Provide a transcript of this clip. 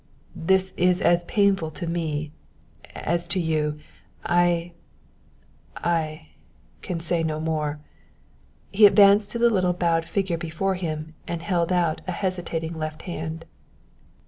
"This is as painful to me as to you. I I can say no more." He advanced to the little bowed figure before him and held out a hesitating left hand.